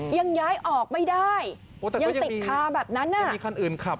ยังย้ายออกไม่ได้ยังติดค้าแบบนั้น